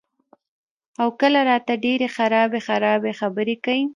او کله راته ډېرې خرابې خرابې خبرې کئ " ـ